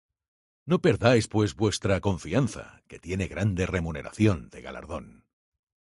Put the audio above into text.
No perdáis pues vuestra confianza, que tiene grande remuneración de galardón: